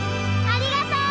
ありがとう。